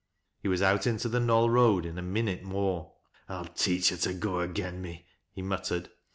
He was out into the Knoll Eoad in a minute more. "I'll teach her to go agen me," he muttered.